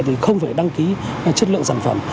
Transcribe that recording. thì không phải đăng ký chất lượng sản phẩm